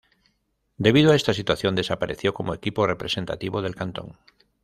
Debido a esta situación, desapareció como equipo representativo del cantón.